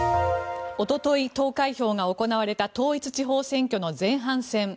おととい投開票が行われた統一地方選挙の前半戦。